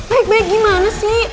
baik baik gimana sih